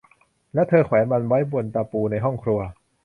และเธอแขวนมันไว้บนตะปูในห้องครัว